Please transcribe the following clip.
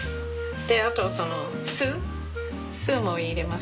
であと酢も入れます。